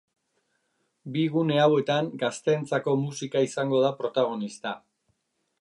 Bi gune hauetan gazteentzako musika izango da protagonista.